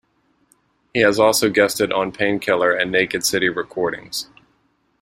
He has also guested on Painkiller and Naked City recordings.